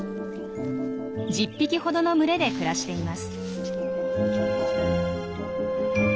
１０匹ほどの群れで暮らしています。